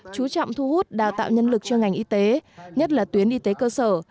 chú trọng thu hút đào tạo nhân lực cho ngành y tế nhất là tuyến y tế cơ sở